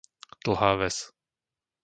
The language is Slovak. Dlhá Ves